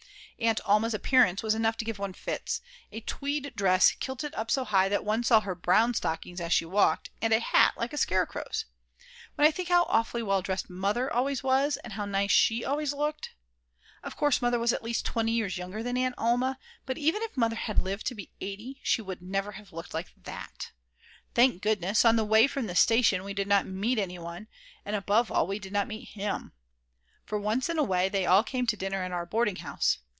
Aunt Alma's appearance was enough to give one fits, a tweed dress kilted up so high that one saw her brown stockings as she walked, and a hat like a scarecrow's. When I think how awfully well dressed Mother always was, and how nice she always looked; of course Mother was at least 20 years younger than Aunt Alma, but even if Mother had lived to be 80 she would never have looked like that. Thank goodness, on the way from the station we did not meet any one, and above all we did not meet him. For once in a way they all came to dinner at our boarding house.